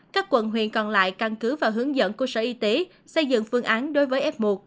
các quận huyện còn lại căn cứ và hướng dẫn của sở y tế xây dựng phương án đối với f một